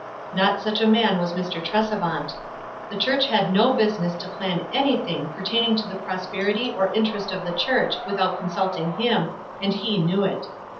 Not such a man was Mr. Tresevant. The church had no business to plan anything pertaining to the prosperity or interest of the church without consulting him, and he knew it.